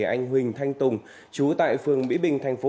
anh huỳnh thanh tùng chú tại phường mỹ bình